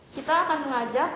kita akan mengajak